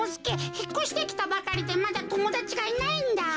ひっこしてきたばかりでまだともだちがいないんだ。